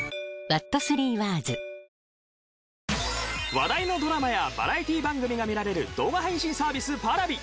話題のドラマやバラエティー番組が見られる動画配信サービスＰａｒａｖｉ。